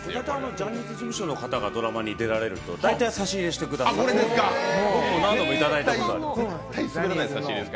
ジャニーズ事務所の方がドラマに出られると、大体差し入れしてくださる僕、何度もいただいたことある。